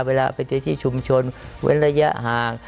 เวลาไปในที่ชุมชนเว้นระยะห่าง